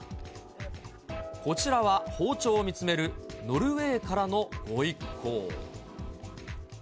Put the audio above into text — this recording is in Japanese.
こちらは包丁を見つめるノルウェーからのご一行。